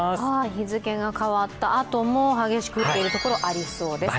日付が変わったあとも激しく降っているところがありそうです。